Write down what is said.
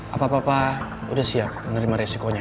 apa apa udah siap menerima resikonya